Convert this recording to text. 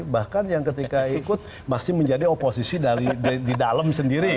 bahkan yang ketika ikut masih menjadi oposisi di dalam sendiri